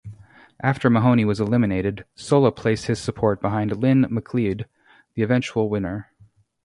After Mahoney was eliminated, Sola placed his support behind Lyn McLeod, the eventual winner.